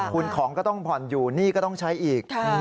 คุณของก็ต้องผ่อนอยู่หนี้ก็ต้องใช้อีก